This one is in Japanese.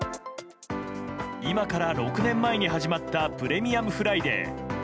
今から６年前に始まったプレミアムフライデー。